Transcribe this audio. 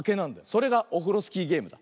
それがオフロスキーゲームだ。